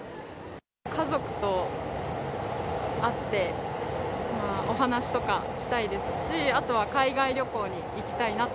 家族と会って、お話とかしたいですし、あとは海外旅行に行きたいなと。